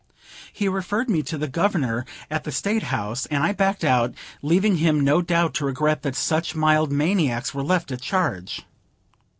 He referred me to the Governor at the State House, and I backed out, leaving him no doubt to regret that such mild maniacs were left at large.